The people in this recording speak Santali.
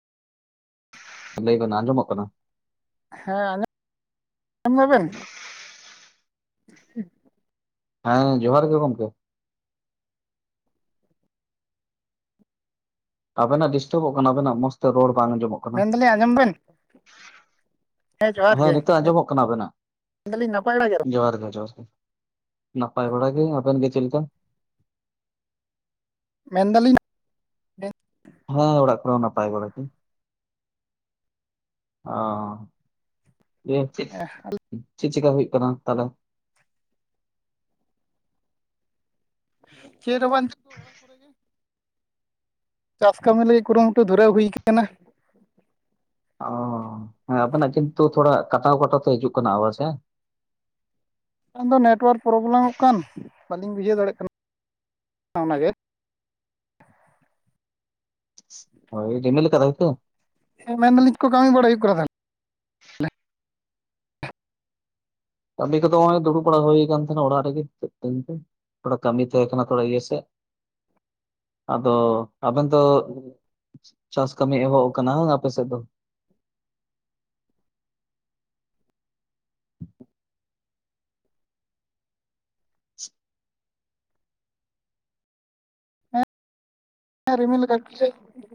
ᱞᱟᱹᱭ ᱵᱤᱱ ᱟᱸᱡᱚᱢᱚᱜ ᱠᱟᱱᱟ ᱦᱮᱸ ᱟᱸᱡᱚᱢ ᱟᱸᱡᱚᱢ ᱫᱟ ᱵᱤᱱ [unintelligible] ᱦᱮᱸ ᱡᱚᱦᱟᱸᱨ ᱜᱮ ᱜᱚᱢᱠᱮ ᱟᱵᱮᱱᱟᱜ ᱰᱤᱥᱴᱟᱵᱚᱜ ᱠᱟᱱᱟ ᱟᱵᱮᱱᱟᱜ ᱢᱚᱡᱽ ᱛᱮ ᱨᱚᱲ ᱵᱟᱝ ᱟᱸᱡᱚᱢᱚᱜ ᱠᱟᱱᱟ ᱢᱮᱱ ᱫᱟᱞᱤᱧ ᱟᱸᱡᱚᱢ ᱵᱮᱱ ᱡᱚᱦᱟᱨ ᱦᱮᱸ ᱜᱮ ᱱᱤᱛᱚᱜ ᱟᱸᱡᱚᱢᱚᱜ ᱠᱟᱱᱟ ᱟᱵᱮᱱᱟᱜ ᱢᱮᱱᱫᱟᱞᱤᱧ ᱱᱟᱯᱟᱭ ᱵᱟᱲᱟ ᱜᱮ ᱡᱚᱦᱟᱨ ᱜᱮ ᱡᱚᱦᱟᱨ ᱜᱮ ᱱᱟᱯᱟᱭ ᱵᱟᱲᱟ ᱜᱮ ᱟᱵᱮᱱ ᱜᱮ ᱪᱮᱫᱞᱮᱠᱟ ᱢᱮᱱ ᱫᱟᱞᱤᱧ ᱦᱮᱸ ᱚᱲᱟᱜ ᱠᱚᱨᱮ ᱦᱚᱸ ᱱᱟᱯᱟᱭ ᱵᱟᱲᱟ ᱜᱮ ᱚ ᱡᱮ ᱪᱮᱫ ᱪᱮᱫ ᱪᱮᱠᱟ ᱦᱩᱭᱩᱜ ᱠᱟᱱᱟ ᱛᱟᱦᱞᱮ ᱪᱮᱫ ᱦᱚᱸ ᱵᱟ [unintelligible] ᱪᱟᱥ ᱠᱟᱹᱢᱤ ᱞᱟᱹᱜᱤᱫ ᱠᱩᱨᱩᱢᱩᱴᱩ ᱫᱷᱩᱨᱟᱹᱣ ᱦᱩᱭ ᱟᱠᱟᱱᱟ ᱚ ᱦᱮᱸ ᱟᱵᱮᱱᱟᱜ ᱠᱤᱱᱛᱩ ᱛᱷᱚᱲᱟ ᱠᱟᱴᱟᱣ ᱠᱟᱴᱟᱣ ᱛᱮ ᱦᱤᱡᱩᱜ ᱠᱟᱱᱟ ᱥᱮ ᱠᱷᱟᱱ ᱫᱚ ᱱᱮᱴᱚᱣᱟᱨᱠ ᱯᱨᱚᱵᱞᱮᱢᱚᱜ ᱠᱟᱱ ᱵᱟᱹᱞᱤᱧ ᱵᱩᱡᱷᱟᱹᱣ ᱫᱟᱲᱮᱭᱟᱜ ᱠᱟᱱᱟ ᱚᱱᱟᱜᱮ ᱦᱳᱭ ᱨᱤᱢᱤᱞ ᱠᱟᱫᱟᱭ ᱥᱮ ᱦᱮ ᱢᱮᱱ ᱫᱟᱞᱤᱧ ᱪᱮᱫ ᱠᱚ ᱠᱟᱹᱢᱤ ᱵᱟᱲᱟ ᱠᱟᱱᱟ ᱛᱟᱦᱚᱞᱮ ᱠᱟᱹᱢᱤ ᱠᱚᱫᱚ ᱱᱚᱜ ᱚᱭ ᱫᱩᱲᱩᱵᱟᱲᱟ ᱦᱩᱭ ᱠᱟᱱ ᱛᱟᱦᱮᱱᱟ ᱚᱲᱟᱜ ᱨᱮᱜᱮ ᱪᱮᱫ ᱛᱷᱚᱲᱟ ᱠᱟᱹᱢᱤ ᱛᱟᱦᱮᱸ ᱠᱟᱱᱟ ᱛᱷᱚᱲᱟ ᱤᱭᱟᱹ ᱥᱮ ᱟᱫᱚ ᱟᱵᱮᱱ ᱫᱚ ᱪᱟᱥ ᱠᱟᱹᱢᱤ ᱮᱦᱚᱵ ᱟᱠᱟᱱᱟ ᱟᱯᱮᱥᱮᱫ ᱫᱚ ᱨᱤᱢᱤᱞ ᱠᱟᱫ ᱜᱮᱭᱟᱭ